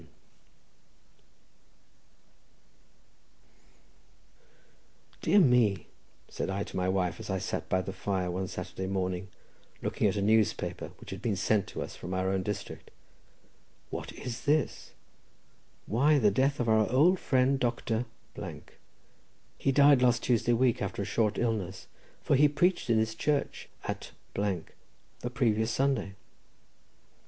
"Dear me," said I to my wife, as I sat by the fire one Saturday morning, looking at a newspaper which had been sent to us from our own district, "what is this? Why, the death of our old friend Dr. —. He died last Tuesday week, after a short illness, for he preached in his church at the previous Sunday."